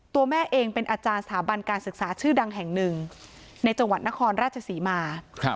แม่เองเป็นอาจารย์สถาบันการศึกษาชื่อดังแห่งหนึ่งในจังหวัดนครราชศรีมา